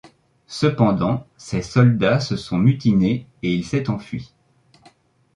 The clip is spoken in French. Cependant, ses soldats se sont mutinés et il s'est enfui.